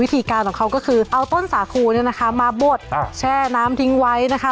การของเขาก็คือเอาต้นสาคูเนี่ยนะคะมาบดแช่น้ำทิ้งไว้นะคะ